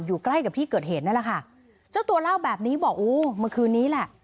ใกล้กับที่เกิดเหตุนั่นแหละค่ะเจ้าตัวเล่าแบบนี้บอกโอ้เมื่อคืนนี้แหละ